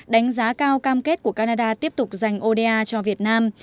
đánh giá cao cam kết của canada tiếp tục dành oda cho việt nam